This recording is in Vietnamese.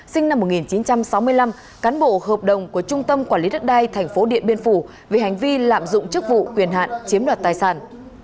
sinh năm một nghìn chín trăm sáu mươi năm cán bộ hợp đồng của trung tâm quản lý đất đai tp điện biên phủ về hành vi lạm dụng chức vụ quyền hạn chiếm đoạt tài sản